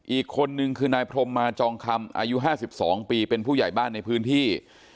อีกคนนึงคือนายพรมมาจองคำอายุ๕๒ปีเป็นผู้ใหญ่บ้านในพื้นที่